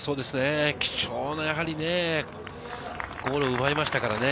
貴重なゴールを奪いましたからね。